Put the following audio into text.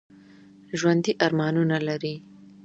ژوندي ارمانونه لري